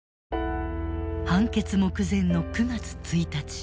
判決目前の９月１日。